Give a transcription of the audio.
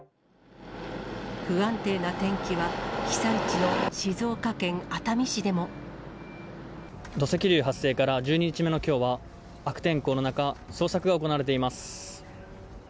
不安定な天気は、土石流発生から１２日目のきょうは、悪天候の中、捜索が行われています。